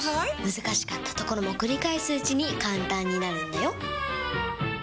難しかったところも繰り返すうちに簡単になるんだよ！